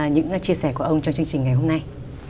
những chia sẻ của ông trong chương trình ngày hôm nay